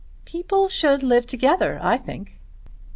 "People should live together, I think."